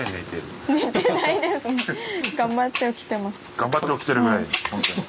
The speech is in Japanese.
頑張って起きてるぐらい本当に。